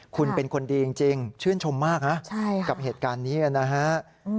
คุณเป็นคนดีจริงชื่นชมมากนะกับเหตุการณ์นี้นะฮะ